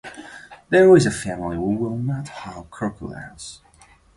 There is a family who will not harm crocodiles.